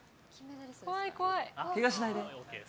けがしないで。